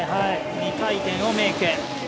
２回転をメイク。